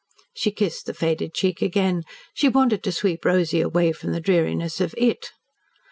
She kissed the faded cheek again. She wanted to sweep Rosy away from the dreariness of "it."